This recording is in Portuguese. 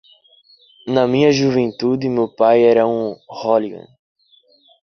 Na minha juventude, meu pai era um hooligan.